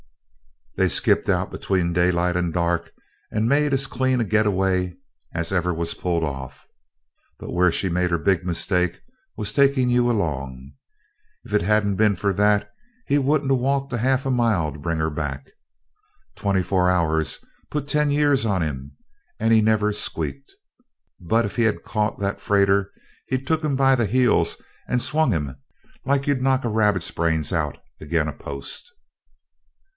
"They skipped out between daylight and dark and made as clean a getaway as ever was pulled off. But where she made her big mistake was takin' you along. If it hadn't been for that, he wouldn't a walked a half mile to bring her back. Twenty four hours put ten years on him, and he never squeaked. But if he'd caught that freighter he'd took him by the heels and swung him like you'd knock a rabbit's brains out agin a post.